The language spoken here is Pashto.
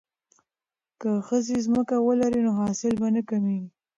که ښځې ځمکه ولري نو حاصل به نه کمیږي.